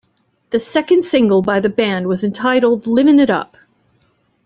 The second single by the band was entitled "Livin' It Up".